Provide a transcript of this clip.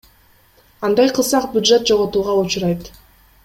Андай кылсак бюджет жоготууга учурайт.